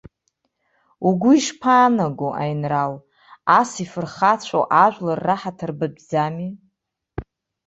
Угәы ишԥаанаго, аинрал, ас ифырхацәоу ажәлар раҳаҭыр батәӡами?